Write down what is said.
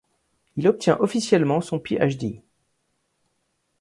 Il obtient officiellement son Ph.D.